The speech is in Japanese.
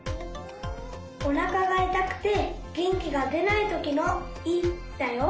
おなかがいたくてげんきがでないときの「い」だよ。